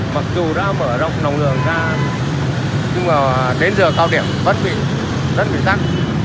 mặc dù đã mở rộng lòng đường ra nhưng mà đến giờ cao điểm vẫn bị rất bị tắc